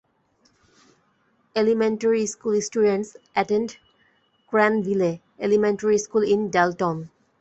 Elementary school students attend Craneville Elementary School in Dalton.